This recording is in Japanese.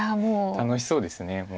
楽しそうですもう。